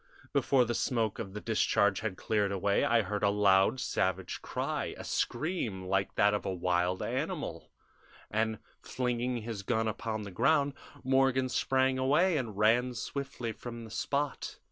Before the smoke of the discharge had cleared away I heard a loud savage cry a scream like that of a wild animal and, flinging his gun upon the ground, Morgan sprang away and ran swiftly from the spot.